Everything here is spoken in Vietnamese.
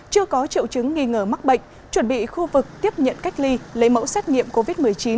chưa có triệu chứng nghi ngờ mắc bệnh chuẩn bị khu vực tiếp nhận cách ly lấy mẫu xét nghiệm covid một mươi chín